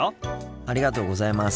ありがとうございます。